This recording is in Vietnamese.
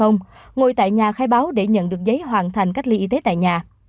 ngồi tại nhà khai báo để nhận được giấy hoàn thành cách ly y tế tại nhà